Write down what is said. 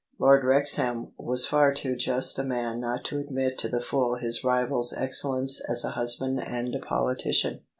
Lord Wrexham was far too just a man not to admit to the full his rival's excellence as a husband and a politician.